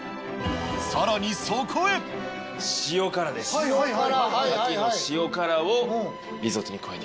さらにそこへ塩辛ですああ